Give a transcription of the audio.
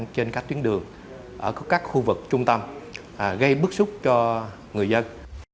trên các tuyến đường ở các khu vực trung tâm gây bức xúc cho người dân